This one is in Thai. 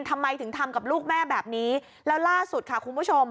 ทำไมถึงทำกับลูกแม่แบบนี้แล้วล่าสุดค่ะคุณผู้ชม